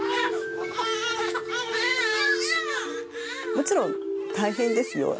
もちろん大変ですよ。